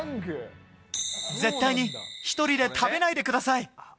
絶対に１人で食べないでください。